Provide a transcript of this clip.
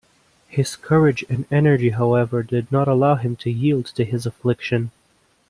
His courage and energy, however, did not allow him to yield to his affliction.